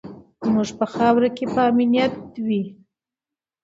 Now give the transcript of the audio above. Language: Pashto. زموږ په خاوره کې به امنیت وي.